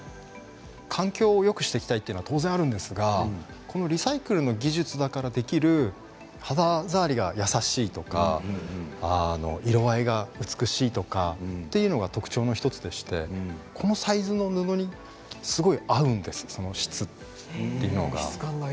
環境をよくしていきたいというのは当然あるんですがリサイクルの技術だからできる肌触りが優しいとか色合いが美しいとかというのが特徴の１つでしてこのサイズの布にすごく合うんですその質というのが。